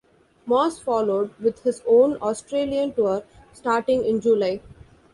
Moss followed with his own Australian tour starting in July.